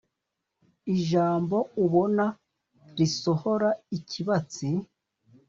(ijambo ubona risohora ikibatsi)